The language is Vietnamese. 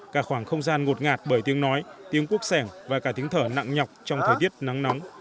cả khoảng không gian ngột ngạt bởi tiếng nói tiếng quốc sẻng và cả tiếng thở nặng nhọc trong thời tiết nắng nóng